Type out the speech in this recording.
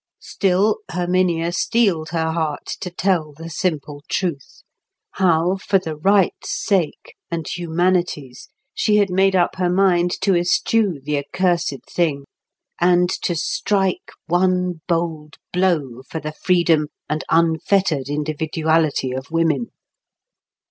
Still, Herminia steeled her heart to tell the simple truth—how, for the right's sake and humanity's she had made up her mind to eschew the accursed thing, and to strike one bold blow for the freedom and unfettered individuality of women.